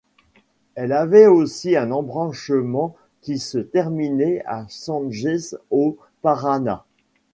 Elle avait aussi un embranchement qui se terminait à Sangés au Paraná.